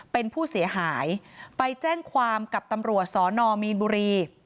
เป็นผู้เสียหายไปแจ้งความกับตำรวจสนมีนบุรี